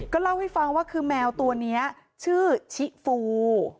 เล่าให้ฟังว่าคือแมวตัวนี้ชื่อชิฟู